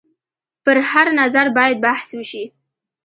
پر هر نظر باید بحث وشي.